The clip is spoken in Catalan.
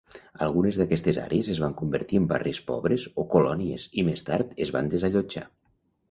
Algunes d'aquestes àrees es van convertir en barris pobres o "colònies", i més tard es van desallotjar.